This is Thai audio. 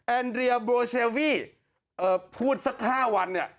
แอนเดรียบรูเชลวีพูดสัก๕วัน